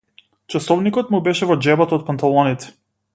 Часовникот му беше во џебот од панталоните.